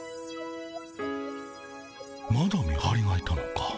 まだ見はりがいたのか。